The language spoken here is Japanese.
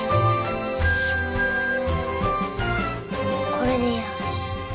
これでよし。